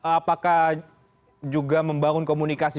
apakah juga membangun komunikasi